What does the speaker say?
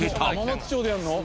浜松町でやるの？